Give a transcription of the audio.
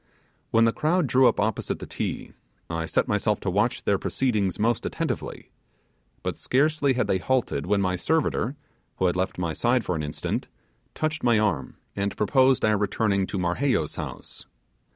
When the crowd drew up opposite the Ti, I set myself to watch their proceedings most attentively; but scarcely had they halted when my servitor, who had left my side for an instant, touched my arm and proposed our returning to Marheyo's house.